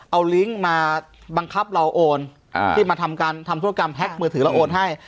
เอาลิงก์มาบังคับเราโอนที่มาทำการทำธุรกรรมแพ็คมือถือเราโอนให้